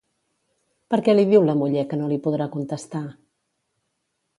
Per què li diu la muller que no li podrà contestar?